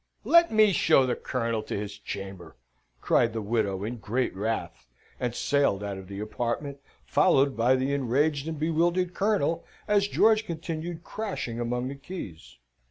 "Let me show the Colonel to his chamber," cried the widow, in great wrath, and sailed out of the apartment, followed by the enraged and bewildered Colonel, as George continued crashing among the keys.